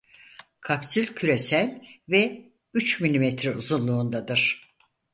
Kapsül küresel ve üç milimetre uzunluğundadır.